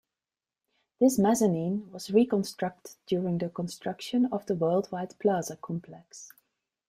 This mezzanine was reconstructed during the construction of the Worldwide Plaza Complex.